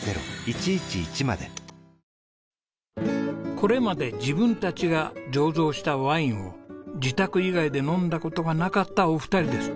これまで自分たちが醸造したワインを自宅以外で飲んだ事がなかったお二人です。